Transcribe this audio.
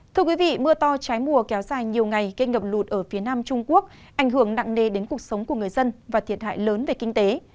thưa quý vị mưa to trái mùa kéo dài nhiều ngày gây ngập lụt ở phía nam trung quốc ảnh hưởng nặng nề đến cuộc sống của người dân và thiệt hại lớn về kinh tế